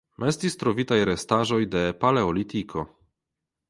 Estis trovitaj restaĵoj de Paleolitiko.